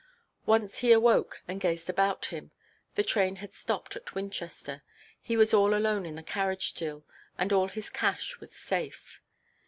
Once he awoke, and gazed about him. The train had stopped at Winchester. He was all alone in the carriage still, and all his cash was safe.